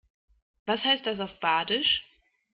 Was heißt das auf Badisch?